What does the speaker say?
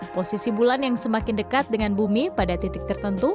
posisi bulan yang semakin dekat dengan bumi pada titik tertentu